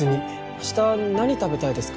明日何食べたいですか？